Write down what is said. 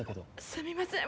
すみません